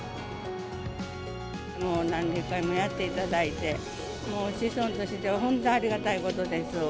もう何十回もやっていただいて、子孫としては本当、ありがたいことです。